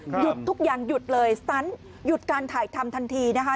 หยุดทุกอย่างหยุดเลยสตันหยุดการถ่ายทำทันทีนะคะ